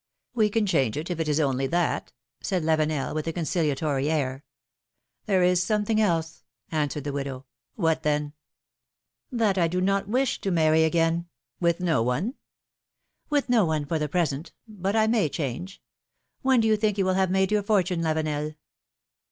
"We can change it, if it is only that," said Lavenel, with a conciliatory air. " There is something else," answered the widow, " What, then ?"" That I do not wish to marry again." " With no one?" " With no one for the present, but I may change. When do you think you will have made your fortune, Lavenel?"